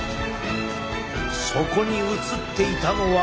そこに写っていたのは。